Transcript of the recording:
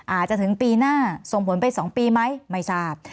อาจจะถึงปีหน้าส่งผลไป๒ปีไหมไม่ทราบ